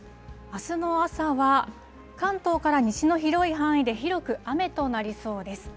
あすの朝は、関東から西の広い範囲で、広く雨となりそうです。